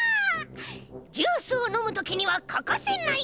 ジュースをのむときにはかかせない！